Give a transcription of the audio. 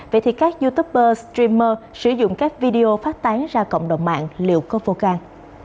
vậy thì các youtuber streamer sử dụng các video phát tán ra cộng đồng mạng liệu có vô can